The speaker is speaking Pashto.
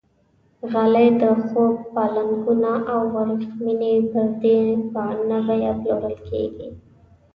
غالۍ، د خوب پالنګونه او وریښمینې پردې په نه بیه پلورل کېږي.